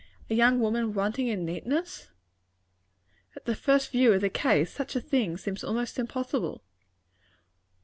A young woman wanting in neatness! At the first view of the case, such a thing seems almost impossible.